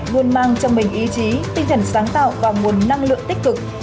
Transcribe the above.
luôn mang trong mình ý chí tinh thần sáng tạo và nguồn năng lượng tích cực